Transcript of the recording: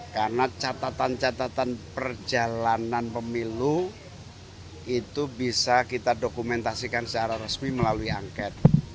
karena catatan catatan perjalanan pemilu itu bisa kita dokumentasikan secara resmi melalui angket